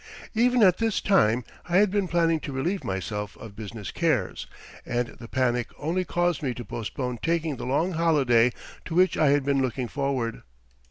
Even at this time I had been planning to relieve myself of business cares, and the panic only caused me to postpone taking the long holiday to which I had been looking forward.